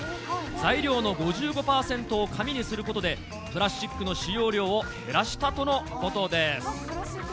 材料の５５％を紙にすることで、プラスチックの使用量を減らしたとのことです。